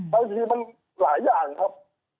บางทีมันหลายอย่างครับ